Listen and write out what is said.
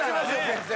先生。